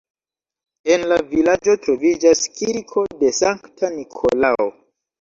En la vilaĝo troviĝas kirko de Sankta Nikolao.